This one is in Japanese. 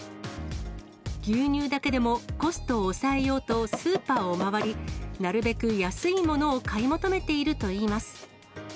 牛乳だけでもコストを抑えようとスーパーを回り、なるべく安いものを買い求めているといいます。